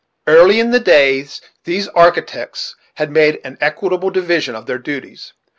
Early in the day, these architects had made an equitable division of their duties.